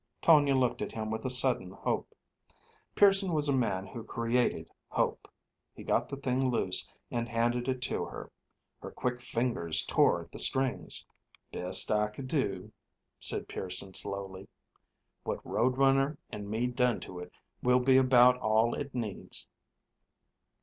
Tonia looked at him with a sudden hope. Pearson was a man who created hope. He got the thing loose and handed it to her. Her quick fingers tore at the strings. "Best I could do," said Pearson slowly. "What Road Runner and me done to it will be about all it needs."